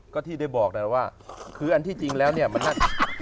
ก็ที่ได้บอกนะว่าคืออันที่จริงแล้วเนี่ยมันน่าจะ